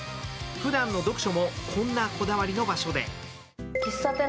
ふだんの読書もこんなこだわりの場所で。